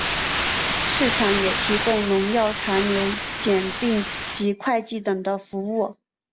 市场也提供农药残留检定及会计等的服务。